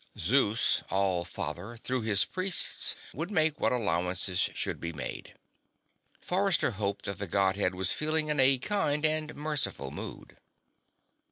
Zeus All Father, through his priests, would make what allowances should be made. Forrester hoped that the Godhead was feeling in a kind and merciful mood.